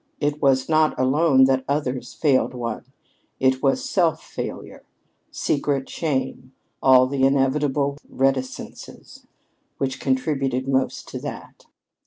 It was not alone that others failed one it was self failure, secret shame, all the inevitable reticences, which contributed most to that.